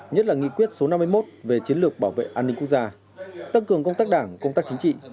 nhất là nghị quyết số năm mươi một về chiến lược bảo vệ an ninh quốc gia tăng cường công tác đảng công tác chính trị